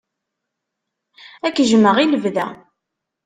Ad k-jjmeɣ i lebda.